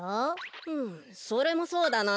うむそれもそうだな。